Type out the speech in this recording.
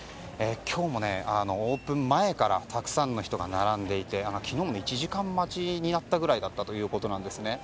今日もオープン前からたくさんの人が並んでいて、昨日も１時間待ちになったぐらいだったということなんですね。